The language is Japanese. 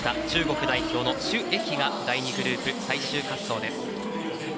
中国代表の朱易が第２グループ最終滑走です。